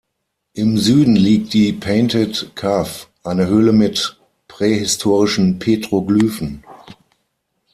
Im Süden liegt die "Painted Cove", eine Höhle mit prähistorischen Petroglyphen.